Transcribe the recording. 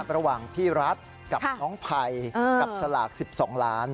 ระหว่างพี่รัฐกับน้องภัยกับสลาก๑๒ล้าน